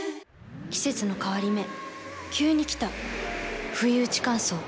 季節の変わり目急に来たふいうち乾燥。